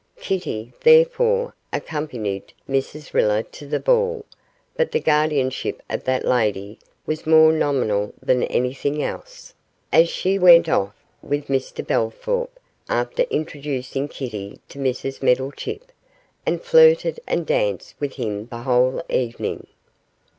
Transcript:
Kitty, therefore, accompanied Mrs Riller to the ball, but the guardianship of that lady was more nominal than anything else, as she went off with Mr Bellthorp after introducing Kitty to Mrs Meddlechip, and flirted and danced with him the whole evening.